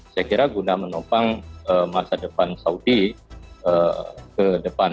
saya kira guna menopang masa depan saudi ke depan